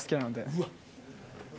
うわっ。